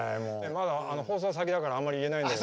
まだ放送先だからあんまり言えないんだけど。